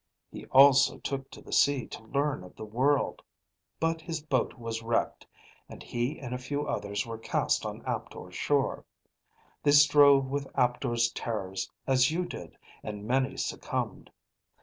He also took to the sea to learn of the world, but his boat was wrecked, and he and a few others were cast on Aptor's shore. They strove with Aptor's terrors as you did, and many succumbed.